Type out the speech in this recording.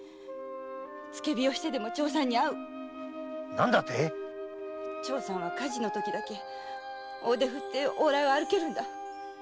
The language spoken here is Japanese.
何だって⁉長さんは火事のときだけ大手を振って往来を歩けるんだ。